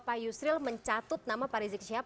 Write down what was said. pak yusril mencatut nama pak rizik syihab